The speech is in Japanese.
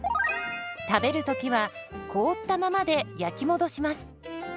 食べる時は凍ったままで焼き戻します。